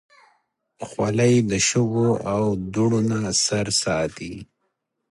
خولۍ د شګو او دوړو نه سر ساتي.